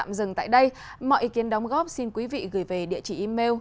tạm dừng tại đây mọi ý kiến đóng góp xin quý vị gửi về địa chỉ email